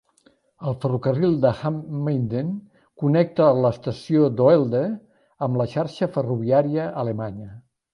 El ferrocarril de Hamm-Minden connecta l'estació d'Oelde amb la xarxa ferroviària Alemanya.